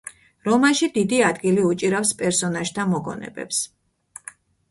რომანში დიდი ადგილი უჭირავს პერსონაჟთა მოგონებებს.